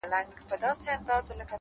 فلسفې نغښتي دي-